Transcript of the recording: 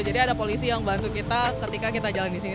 jadi ada polisi yang bantu kita ketika kita jalan di sini